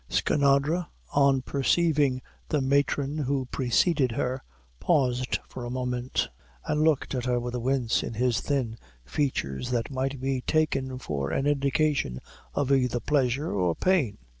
Skinadre on perceiving the matron who preceded her, paused for a moment, and looked at her with a wince in his thin features that might be taken for an indication of either pleasure or pain.